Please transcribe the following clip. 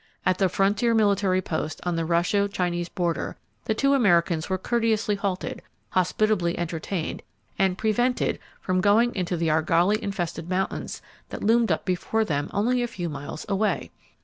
At the frontier military post, on the Russo Chinese border, the two Americans were courteously halted, hospitably entertained, and prevented from going into the argali infested mountains that loomed up before them only a few miles away!